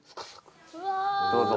どうぞ。